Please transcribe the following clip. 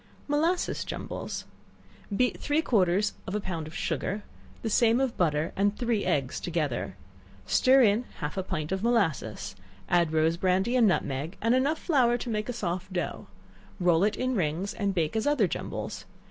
Molasses Jumbles. Beat three quarters of a pound of sugar, the same of butter, and three eggs together; stir in half a pint of molasses; add rose brandy and nutmeg, and enough flour to make a soft dough; roll it in rings, and bake as other jumbles.